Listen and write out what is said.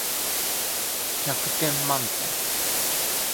百点満点